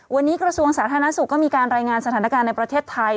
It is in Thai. วันนี้กระทรวงสาธารณสุขก็มีการรายงานสถานการณ์ในประเทศไทย